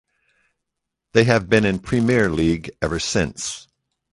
They have been in Premier League ever since.